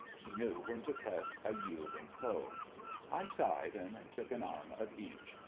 He knew when to press a yielding foe. I sighed, and took an arm of each.